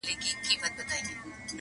په ډېر جبر په خواریو مي راتله دي!.